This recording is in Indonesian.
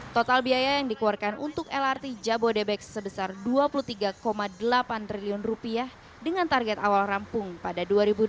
total biaya yang dikeluarkan untuk lrt jabodetabek sebesar dua puluh tiga delapan triliun rupiah dengan target awal rampung pada dua ribu delapan belas